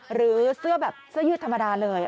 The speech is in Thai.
หรือเสื้อยืดธรรมดาเลย